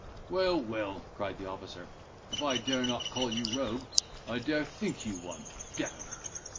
"Well, well," cried the officer, "if I dare not call you rogue, I dare think you one, d—me!"